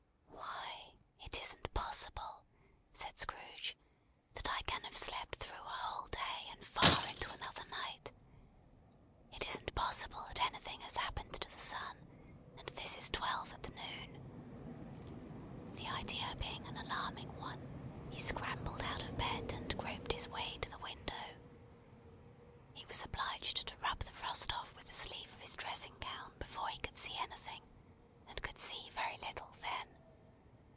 "Why, it isn't possible," said Scrooge, "that I can have slept through a whole day and far into another night. It isn't possible that anything has happened to the sun, and this is twelve at noon!" The idea being an alarming one, he scrambled out of bed, and groped his way to the window. He was obliged to rub the frost off with the sleeve of his dressing gown before he could see anything; and could see very little then.